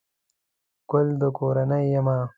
گل دکورنۍ يمه